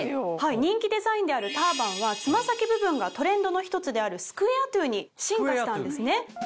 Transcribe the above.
人気デザインであるターバンは爪先部分がトレンドの１つであるスクエアトゥに進化したんですね。